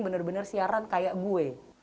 bener bener siaran kayak gue